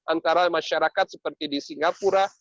antara masyarakat seperti di singapura